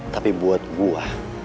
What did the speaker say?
tapi buat gua